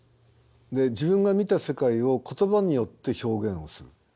自分が見た世界を言葉によって表現をする。